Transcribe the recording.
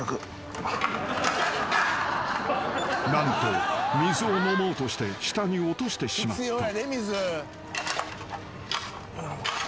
［何と水を飲もうとして下に落としてしまった］